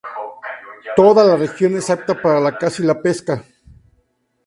Toda la región es apta para la caza y la pesca.